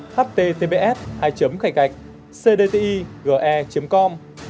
www https hai khai cạch cdti gr com